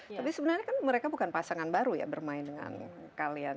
tapi sebenarnya kan mereka bukan pasangan baru ya bermain dengan kalian